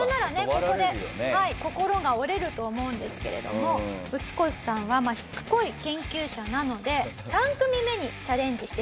ここで心が折れると思うんですけれどもウチコシさんはしつこい研究者なので。